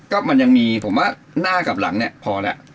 ก็มันยังมีผมว่าหน้ากับหลังเนี่ยพอแล้ว